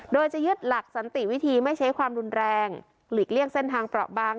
โดยจะยึดหลักสันติวิธีไม่ใช้ความรุนแรงหลีกเลี่ยงเส้นทางเปราะบาง